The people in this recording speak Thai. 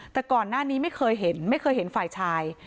แต่ก่อนหน้านี้ไม่เคยเห็นไม่เคยเห็นฝ่ายชาย